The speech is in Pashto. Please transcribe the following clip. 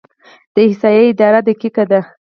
د احصایې اداره دقیقه ده؟